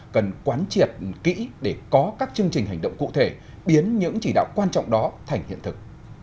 cần quán triệt kỹ để có các chương trình hành động cụ thể biến những chỉ đạo quan trọng đó thành hiện thực